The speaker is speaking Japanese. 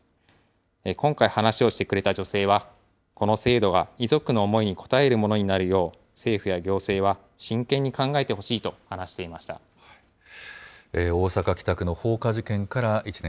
今回話をしてくれた女性は、この制度が遺族の思いに応えるものになるよう、政府や行政は真剣大阪・北区の放火事件から１年。